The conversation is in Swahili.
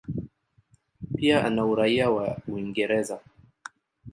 Pia ana uraia wa Uingereza.